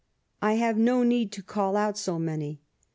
I have no need to call out so many.